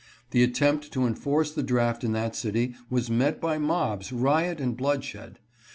The attempt to enforce the draft in that city was met by mobs, riot, and bloodshed.